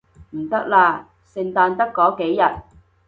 唔得啦，聖誕得嗰幾日